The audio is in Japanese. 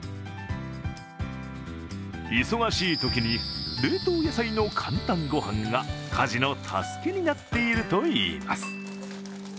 忙しいときに冷凍野菜の簡単ご飯が家事の助けになっているといいます。